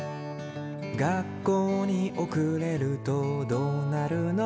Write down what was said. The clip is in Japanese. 「学校におくれるとどうなるの？」